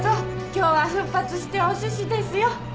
今日は奮発しておスシですよ。